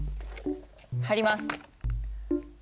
貼ります。